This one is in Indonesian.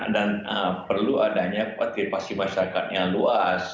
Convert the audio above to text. dan perlu adanya ketipasi masyarakat yang luas